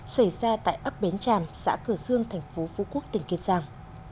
xảy ra tại ấp bến tràm xã cửa dương tp phú quốc tỉnh kiên giang